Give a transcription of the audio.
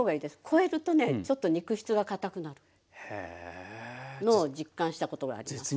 越えるとねちょっと肉質がかたくなるのを実感したことがあります。